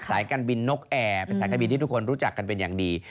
สายการบินนกแอร์สายการบินที่ทุกคนนี้รู้จักกันอย่างดี